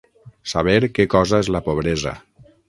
Saber què cosa és la pobresa.